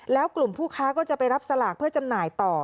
แล้วกลุ่มผู้ค้าก็จะไปรับสลากเพื่อจำหน่ายต่อ